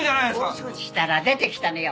大掃除したら出てきたのよ。